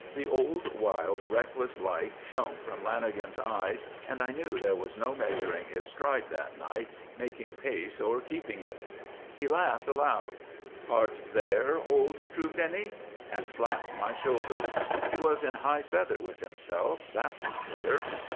The old wild, reckless light shone from Lanagan's eyes, and I knew there was no measuring his stride that night, making pace or keeping it. He laughed aloud. "Art there, old truepenny?" and slapped my shoulder. He was in high feather with himself, that was clear.